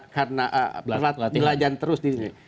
karena belajar terus di sini